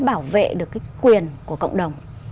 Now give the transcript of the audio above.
bảo vệ được cái quyền của cộng đồng